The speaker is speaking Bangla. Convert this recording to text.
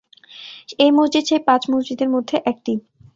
এই মসজিদ সেই পাঁচ মসজিদের মধ্যে একটি।